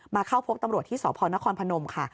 เข้าพบตำรวจที่สพนครพนมค่ะ